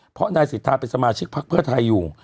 เพราะนายสิทธาเป็นสมาชิกพักเพื่อไทยอยู่